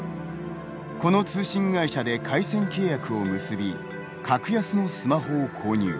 この通信会社で回線契約を結び格安のスマホを購入。